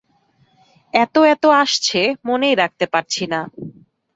এত এত আসছে, মনেই রাখতে পারছি না।